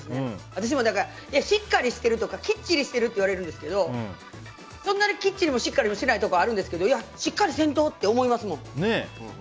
私も、しっかりしてるとかきっちりしてるって言われるんですけどそんなにきっちりもしっかりもしてないところあるんですけどいや、しっかりせんと！って思いますもん。